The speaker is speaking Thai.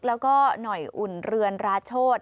แล้วก็หน่อยอุ่นเรือนราชโชธ